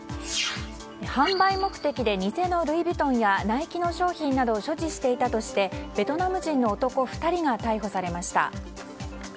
販売目的で偽のルイ・ヴィトンやナイキの商品を所持していたとしてベトナム人の男２人が逮捕されました。